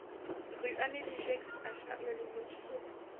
Rue Amélie Gex à Challes-les-Eaux